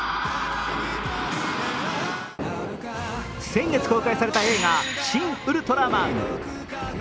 先月公開された映画「シン・ウルトラマン」。